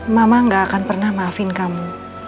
mama gak akan pernah maafin kamu